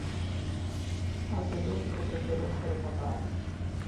Alte dosi potrebbero essere fatali.